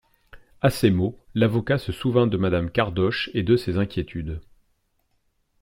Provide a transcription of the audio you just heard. A ces mots, l'avocat se souvint de madame Cardoche et de ses inquiétudes.